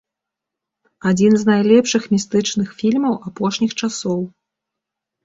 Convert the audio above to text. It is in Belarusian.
Адзін з найлепшых містычных фільмаў апошніх часоў.